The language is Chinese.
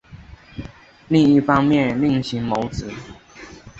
另一方面另行谋职